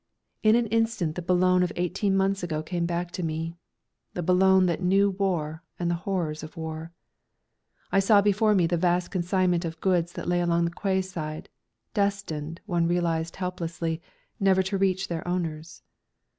In an instant the Boulogne of eighteen months ago came back to me, the Boulogne that knew War and the horrors of War. I saw before me the vast consignments of goods that lay along the quayside, destined, one realised helplessly, never to reach their owners.